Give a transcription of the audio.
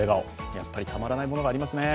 やっぱりたまらないものがありますね。